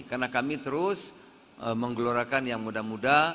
karena kami terus menggelorakan yang muda muda